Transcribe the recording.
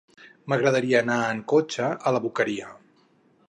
M'agradaria anar en cotxe a la Boqueria.